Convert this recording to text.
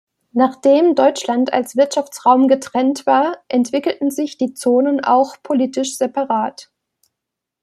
Nachdem Deutschland als Wirtschaftsraum getrennt war, entwickelten sich die Zonen auch politisch separat.